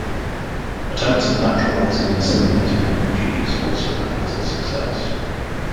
Attempts at naturalizing and assimilating refugees also had little success.